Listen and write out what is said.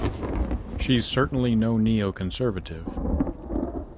She's certainly no neo-conservative.